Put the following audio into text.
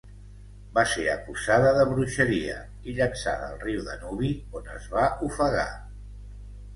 Va ser acusada de bruixeria i llançada al riu Danubi on es va ofegar.